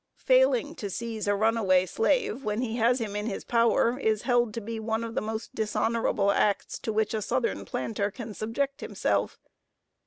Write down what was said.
Failing to seize a runaway slave, when he has him in his power, is held to be one of the most dishonorable acts to which a southern planter can subject himself.